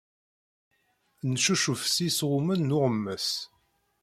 Neccucuf s yisɣumen n uɣemmes.